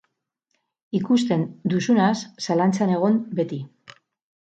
Ikusten duzunaz zalantzan egon, beti.